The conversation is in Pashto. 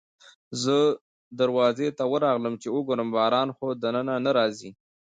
زه دروازې ته ورغلم چې وګورم باران خو دننه نه راځي.